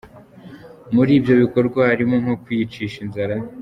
Muri ibyo bikorwa harimo nko kwiyicisha inzara.